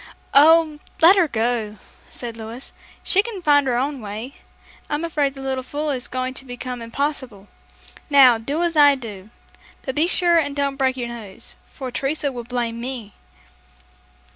"Oh, let her go!" said Louis. "She can find her own way. I'm afraid the little fool is going to become impossible. Now, do as I do. But be sure and don't break your nose, for Teresa will blame me."